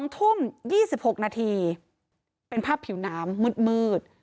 ๒ทุ่ม๒๖นาทีเป็นภาพผิวน้ำมืด